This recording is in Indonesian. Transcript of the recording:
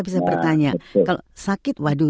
bisa bertanya kalau sakit waduh